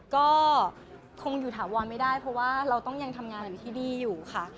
ก็คงอยู่ถาวรไม่ได้เพราะว่าเราต้องยังทำงานอยู่ที่นี่อยู่ค่ะ